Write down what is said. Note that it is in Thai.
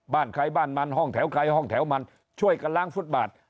บ้านใครบ้านมันห้องแถวใครห้องแถวมันช่วยกันล้างฟุตบาท